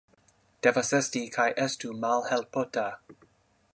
Devas esti kaj estu malhelpota.